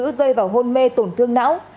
cà phê vào hôn mê tổn thương não